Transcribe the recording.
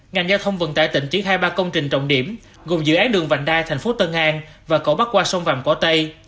ngành giao thông vận tải tỉnh triển khai ba công trình trọng điểm gồm dự án đường vành đai tp tân an và cổ bắc qua sông vàng quả tây